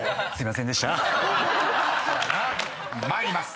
［参ります。